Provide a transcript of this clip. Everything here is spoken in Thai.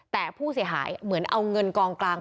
แต่ผู้เสียหายเหมือนเอาเงินกองกลาง